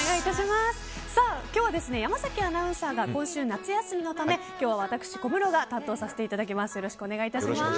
今日は山崎アナウンサーが今週夏休みのため今日は私、小室が担当させていただきます。